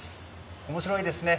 面白いですね。